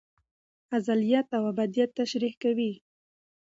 ازليت او ابديت تشريح کوي